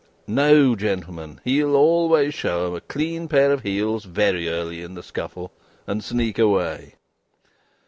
No, gentlemen; he'll always show 'em a clean pair of heels very early in the scuffle, and sneak away."